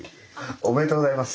おめでとうございます。